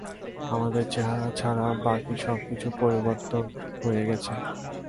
আমাদের চেহারা ছাড়া বাকী সবকিছু পরিবর্তন হয়ে গেছে।